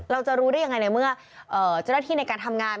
เราจะรู้ได้ยังไงในเมื่อเจ้าหน้าที่ในการทำงาน